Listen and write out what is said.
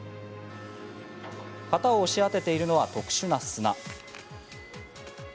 型を押し当てているのは特殊な砂。